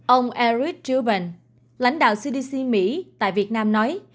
ông eric rubin lãnh đạo cdc mỹ tại việt nam nói